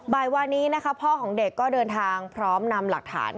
บ่ายวานนี้นะคะพ่อของเด็กก็เดินทางพร้อมนำหลักฐาน